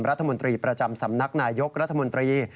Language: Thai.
รัฐมนตรีประจำสำนักนายยกรัฐมนตรี